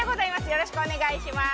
よろしくお願いします。